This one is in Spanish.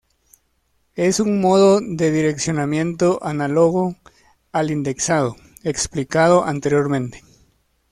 Es un modo de direccionamiento análogo al indexado, explicado anteriormente.